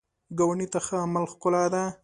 ګاونډي ته ښه عمل ښکلا ده